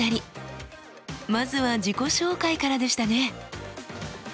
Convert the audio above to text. まずは自己紹介からでしたね。